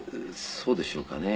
そうでしょうかね。